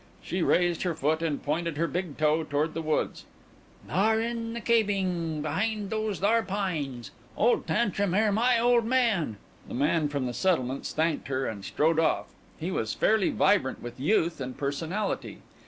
She raised her foot and pointed her big toe toward the woods. "Thar in the cabing behind those thar pines. Old Tantrum air my old man." The man from the settlements thanked her and strode off. He was fairly vibrant with youth and personality.